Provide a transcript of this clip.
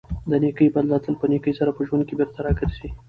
د نېکۍ بدله تل په نېکۍ سره په ژوند کې بېرته راګرځي.